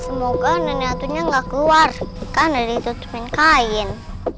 semoga nenek atunya gak keluar kan ada ditutupin kain